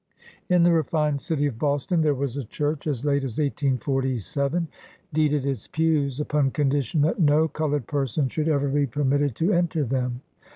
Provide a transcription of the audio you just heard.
In the refined city of Boston, there was a church, as late as 1847, deeded its pews upon condition that no colored person should ever be permitted to enter them